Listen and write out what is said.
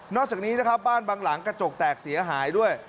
จากนี้นะครับบ้านบางหลังกระจกแตกเสียหายด้วย